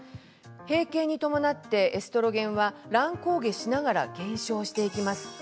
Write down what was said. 閉経に伴ってエストロゲンは乱高下しながら減少していきます。